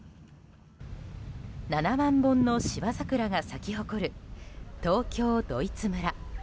７万本の芝桜が咲き誇る東京ドイツ村。